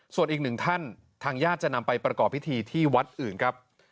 ส่วนอีกหนึ่งท่านทางญาติจะนำไปประกอบพิธีที่วัดอื่นครับ